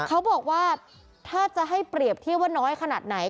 เขาบอกว่าถ้าจะให้เปรียบเทียบว่าน้อยขนาดไหน